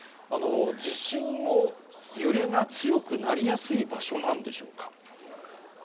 地震の揺れが強くなりやすい場所なんでしょうか。